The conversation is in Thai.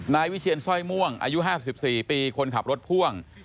นายวิเชียนสร้อยม่วงอายุ๕๔ปีคนขับรถพ่วง